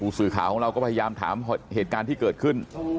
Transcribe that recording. สื่อข่าวของเราก็พยายามถามเหตุการณ์ที่เกิดขึ้น